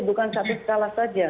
bukan satu skala saja